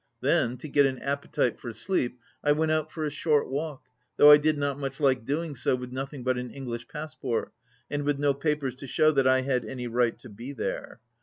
Then, to get an appetite for sleep, I went out for a short walk, though I did not much like doing so with nothing but an English pass port, and with no papers to show that I had any right to be there.